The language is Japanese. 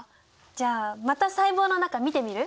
じゃあまた細胞の中見てみる？